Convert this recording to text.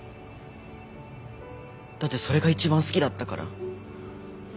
だってそれが一番好きだったから。